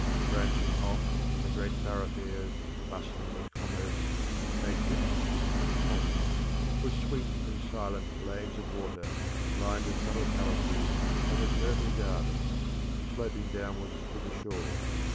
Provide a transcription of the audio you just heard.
Branching off from the great thoroughfares, bustling with commerce, magnificent with pomp, were sweet and silent lanes of water, lined with summer palaces and with myrtle gardens, sloping downwards to the shore.